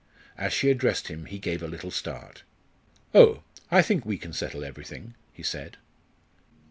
As she addressed him he gave a little start. "Oh! I think we can settle everything," he said.